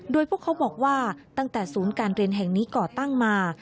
โดยพวกเขาบอกว่าตั้งแต่ศูนย์การเรียนแห่งนี้ก่อตั้งมา